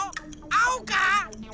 あおか？